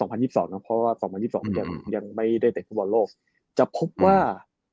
ปี๒๐๒๒ยังไม่เดินเตะในเกมนักชิงฟุตบอลโลกจะพบว่า